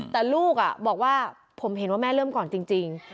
แต่ลูกบอกว่าผมเห็นว่าแม่เริ่มก่อนจริง